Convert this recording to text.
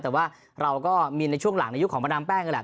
แต่ว่าเราก็มีในช่วงหลังในยุคของประดามแป้งนั่นแหละ